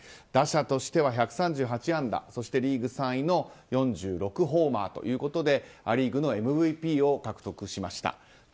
打者としては１３８安打そしてリーグ３位の４６ホーマーということでア・リーグのＭＶＰを獲得しました。